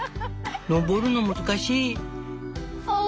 登るの難しい」。